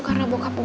karena bokapnya dia